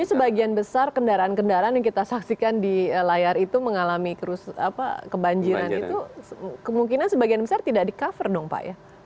tapi sebagian besar kendaraan kendaraan yang kita saksikan di layar itu mengalami kebanjiran itu kemungkinan sebagian besar tidak di cover dong pak ya